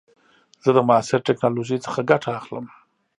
زه د معاصر ټکنالوژۍ څخه ګټه اخلم.